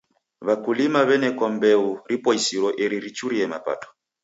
W'akuilima w'enekwa mbeu riboisiro eri richurie mapato.